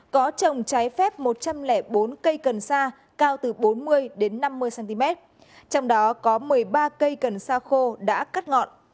có trồng trái phép một trăm linh bốn cây cần sa cao từ bốn mươi năm mươi cm trong đó có một mươi ba cây cần sa khô đã cắt ngọn